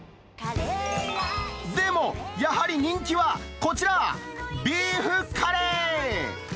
でも、やはり人気はこちら、ビーフカレー。